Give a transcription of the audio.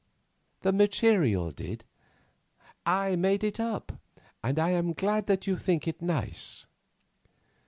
"The material did; I made it up, and I am glad that you think it nice."